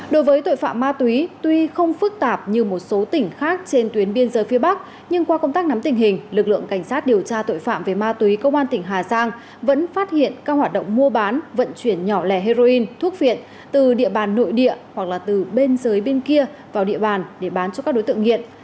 đối với tội phạm ma túy tuy không phức tạp như một số tỉnh khác trên tuyến biên giới phía bắc nhưng qua công tác nắm tình hình lực lượng cảnh sát điều tra tội phạm về ma túy công an tỉnh hà giang vẫn phát hiện các hoạt động mua bán vận chuyển nhỏ lẻ heroin thuốc viện từ địa bàn nội địa hoặc là từ bên dưới bên kia vào địa bàn để bán cho các đối tượng nghiện